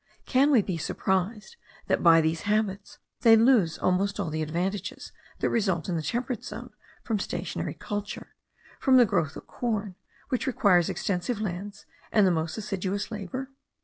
Can we be surprised, that by these habits they lose almost all the advantages that result in the temperate zone from stationary culture, from the growth of corn, which requires extensive lands and the most assiduous labour?